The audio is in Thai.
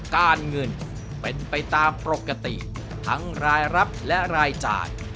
การเงินเป็นไปตามปกติทั้งรายรับและรายจ่าย